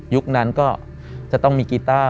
ยุคนั้นก็จะต้องมีกีตาร์